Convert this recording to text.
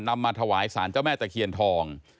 มาถวายสารเจ้าแม่ตะเคียนทอง